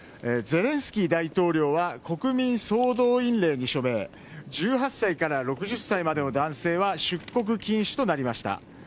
ゼレンスキー大統領は国民総動員令に署名１８歳から６０歳までの男性は出国禁止となりました。